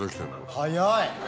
早い。